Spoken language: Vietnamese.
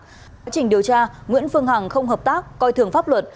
quá trình điều tra nguyễn phương hằng không hợp tác coi thường pháp luật